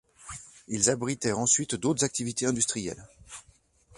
Ils abritèrent ensuite d'autres activités industrielles.